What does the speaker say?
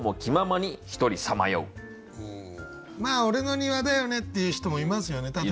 「俺の庭だよね」って言う人もいますよね。